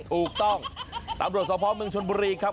ถูกต้องตามโดยสอบพร้อมเมืองชนบุรีครับ